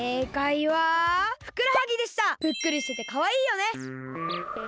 ぷっくりしててかわいいよね！